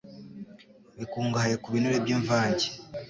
bikungahaye ku binure by’imvange